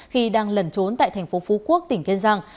khi đang lẩn trốn tại thành phố phú quốc tỉnh kiên giang